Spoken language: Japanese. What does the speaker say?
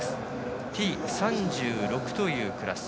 Ｔ３６というクラス。